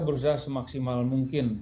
berusaha semaksimal mungkin